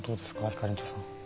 ひかりんちょさん。